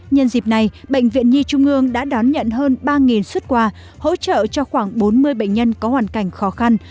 nhân dịp này bệnh viện nhi trung ương đã đón nhận hơn ba xuất quà hỗ trợ cho khoảng bốn mươi bệnh nhân có hoàn cảnh khó khăn